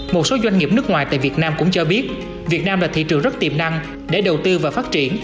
một số doanh nghiệp nước ngoài tại việt nam cũng cho biết việt nam là thị trường rất tiềm năng để đầu tư và phát triển